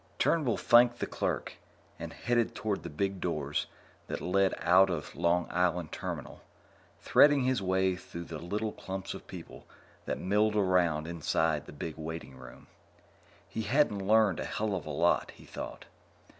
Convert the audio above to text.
Turnbull thanked the clerk and headed toward the big doors that led out of Long Island Terminal, threading his way through the little clumps of people that milled around inside the big waiting room. He hadn't learned a hell of a lot, he thought.